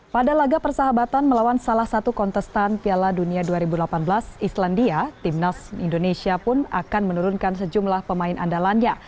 pada laga persahabatan melawan salah satu kontestan piala dunia dua ribu delapan belas islandia timnas indonesia pun akan menurunkan sejumlah pemain andalannya